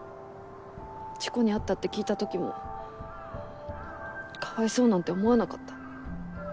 事故に遭ったって聞いた時もかわいそうなんて思わなかった。